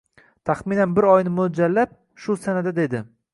Tahminan bir oyni mo‘ljallab, shu sanada dedi.